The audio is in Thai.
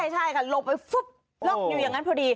ใช่ค่ะหลบไปฟึ๊บอยู่อย่างนั้นพอดี